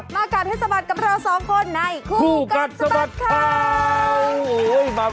กัดให้สะบัดกับเราสองคนในคู่กัดสะบัดข่าว